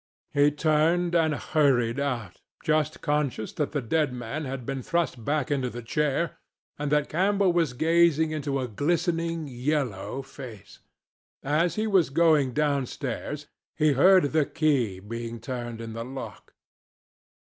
He turned and hurried out, just conscious that the dead man had been thrust back into the chair and that Campbell was gazing into a glistening yellow face. As he was going downstairs, he heard the key being turned in the lock.